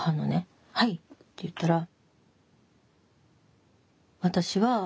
「はい」って言ったら。